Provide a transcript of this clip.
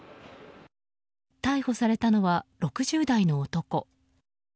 逮捕されたのは６０代の男。